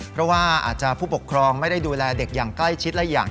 เพราะว่าอาจจะผู้ปกครองไม่ได้ดูแลเด็กอย่างใกล้ชิดและอย่าง